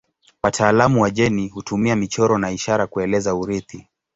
Wataalamu wa jeni hutumia michoro na ishara kueleza urithi.